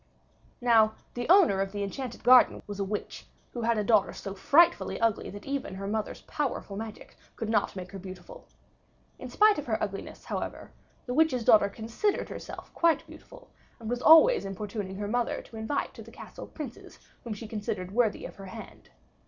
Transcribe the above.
Now, the owner of the enchanted garden was a witch, who had a daughter so frightfully ugly that even her mother's powerful magic could not make her beautiful. In spite of her ugliness, however, the witch's daughter considered herself quite beautiful, and was always importuning her mother to invite to the castle princes whom she considered worthy of her hand.